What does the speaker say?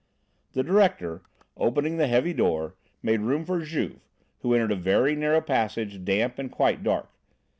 The director, opening the heavy door, made room for Juve, who entered a very narrow passage, damp and quite dark.